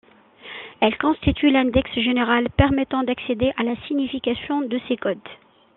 Elle constitue l'index général permettant d'accéder à la signification de ces codes.